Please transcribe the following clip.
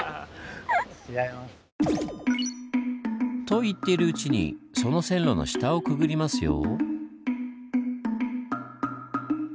と言っているうちにその線路の下をくぐりますよ。